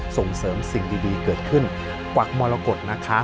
ส่งเสริมสิ่งดีเกิดขึ้นกวักมรกฏนะคะ